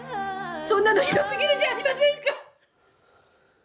「そんなのひどすぎるじゃありませんか！」